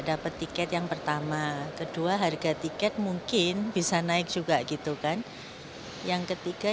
dapat tiket yang pertama kedua harga tiket mungkin bisa naik juga gitu kan yang ketiga